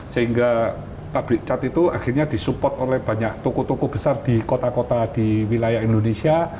sehingga public cat itu akhirnya disupport oleh banyak toko toko besar di kota kota di wilayah indonesia